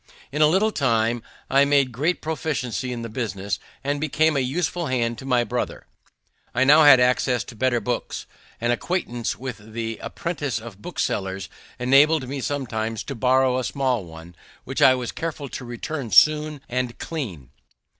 In a little time I made great proficiency in the business, and became a useful hand to my brother. I now had access to better books. An acquaintance with the apprentices of booksellers enabled me sometimes to borrow a small one, which I was careful to return soon and clean.